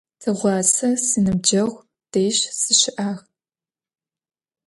Тыгъуасэ синыбджэгъу дэжь сыщыӏагъ.